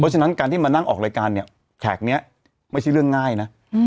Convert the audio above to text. ฉะนั้นการที่มานั่งออกรายการเนี่ยแขกนี้ไม่ใช่เรื่องง่ายนะ